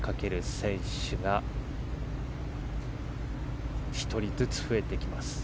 選手が１人ずつ増えていきます。